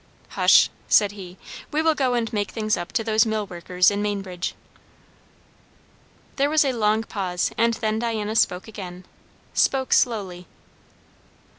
"Hush!" said he. "We will go and make things up to those millworkers in Mainbridge." There was a long pause, and then Diana spoke again; spoke slowly.